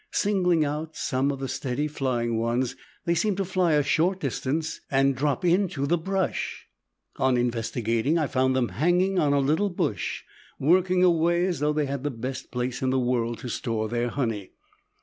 Singling out some of the steady flying ones, they seemed to fly a short distance, and drop into the brush. On investigating, I found them hanging on a little bush, working away as though they had the best place in the world to store their honey.